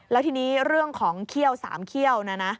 แล้วทีนี้เรื่องของเขี้ยว๓เขี้ยวนะนะ